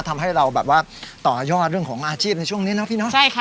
ทำให้เราแบบว่าต่อยอดเรื่องของอาชีพในช่วงนี้เนาะพี่เนาะ